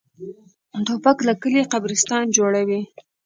توپک له کلي قبرستان جوړوي.